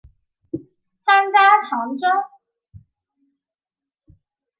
参加长征。